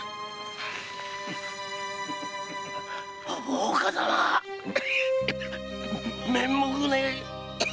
大岡様面目ねえ！